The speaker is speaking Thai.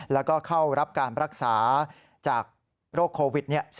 แล้วก็เข้ารับการรักษาจากโรคโควิด๑๙